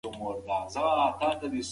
که سمینار وي نو تجربه نه پټیږي.